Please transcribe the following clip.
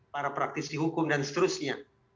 para praktisi hukum dan seterusnya